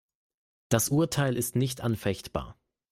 Das Urteil ist nicht anfechtbar.